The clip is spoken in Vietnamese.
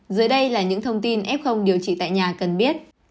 dưới đây là những thông tin f điều trị tại nhà cần biết